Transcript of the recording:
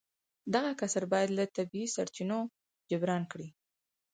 دغه کسر باید له طبیعي سرچینو جبران کړي